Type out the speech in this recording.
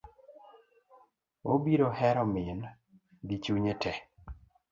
Obiro hero min gi chunye tee.